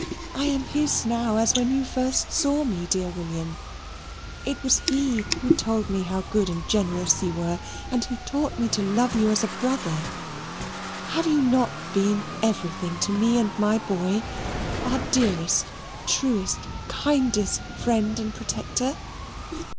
I am his now as when you first saw me, dear William. It was he who told me how good and generous you were, and who taught me to love you as a brother. Have you not been everything to me and my boy? Our dearest, truest, kindest friend and protector?